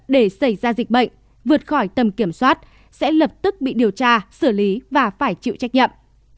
để xảy ra dịch bệnh vượt khỏi tầm kiểm soát sẽ lập tức bị điều tra xử lý và phải chịu trách nhiệm